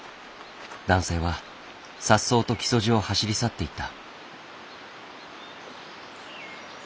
男性はさっそうと木曽路を走り去っていった。